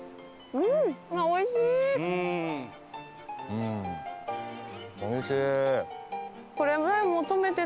うんおいしい。